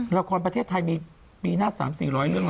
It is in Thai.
ละครประเทศไทยมีปีหน้า๓๔๐๐เรื่อง